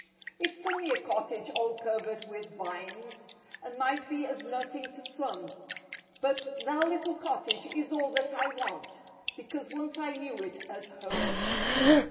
It's only a cottage all covered with vines. And might be as nothing to some. But that little cot¬ tage is all that I want. Because once I knew it as home.